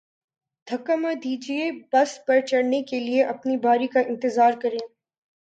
دھکا م دیجئے، بس پر چڑھنے کے لئے اپنی باری کا انتظار کریں